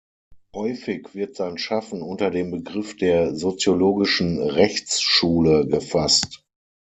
Häufig wird sein Schaffen unter dem Begriff der „Soziologischen Rechtsschule“ gefasst.